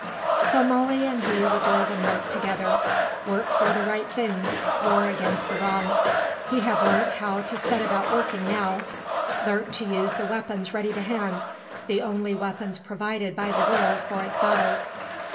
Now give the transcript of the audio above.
So Molly and he would live and work together; work for the right things, war against the wrong. He had learnt how to set about working now; learnt to use the weapons ready to hand, the only weapons provided by the world for its battles.